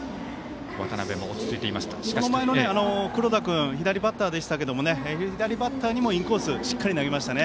黒田君、左バッターでしたけど左バッターにもインコースしっかり投げましたね。